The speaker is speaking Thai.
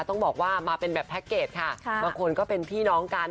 ต้องบอกว่ามาเป็นแบบแพ็คเกจค่ะบางคนก็เป็นพี่น้องกัน